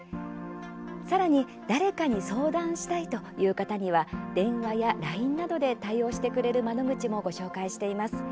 さらに、誰かに相談したいという方には電話やＬＩＮＥなどで対応してくれる窓口もご紹介しています。